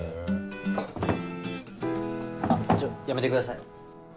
あっちょやめてください。